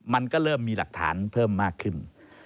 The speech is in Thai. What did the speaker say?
มันก็เริ่มมีหลักฐานเพิ่มมากขึ้น